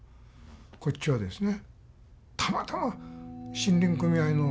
こっちはですね。